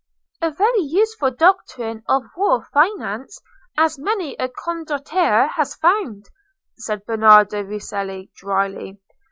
"A very useful doctrine of war finance, as many a Condottiere has found," said Bernardo Rucellai, drily.